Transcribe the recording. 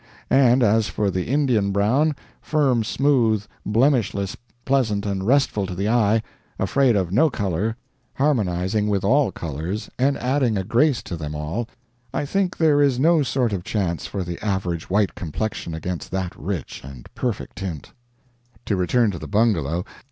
And as for the Indian brown firm, smooth, blemishless, pleasant and restful to the eye, afraid of no color, harmonizing with all colors and adding a grace to them all I think there is no sort of chance for the average white complexion against that rich and perfect tint. To return to the bungalow.